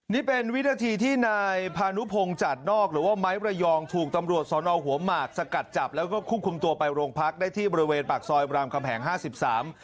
นี่เป็นวินาทีที่นายพานุพงศ์จัดนอกหรือว่าไม้ระยองถูกตำรวจสอนอหัวหมากสกัดจับแล้วก็ควบคุมตัวไปโรงพักได้ที่บริเวณปากซอยรามคำแหงห้าสิบสาม